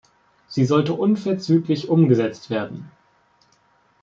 Sie sollte unverzüglich umgesetzt werden.